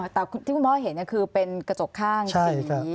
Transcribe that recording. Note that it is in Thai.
แต่ที่คุณพ่อเห็นคือเป็นกระจกข้างสี